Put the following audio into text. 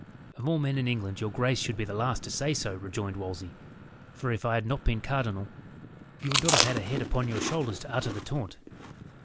"Of all men in England your grace should be the last to say so," rejoined Wolsey; "for if I had not been cardinal, you would not have had a head upon your shoulders to utter the taunt."